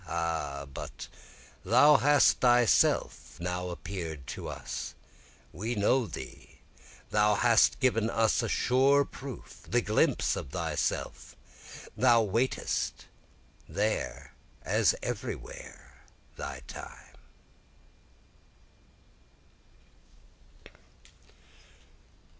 Ah, but thou hast thyself now appear'd to us we know thee, Thou hast given us a sure proof, the glimpse of thyself, Thou waitest there as everywhere thy time.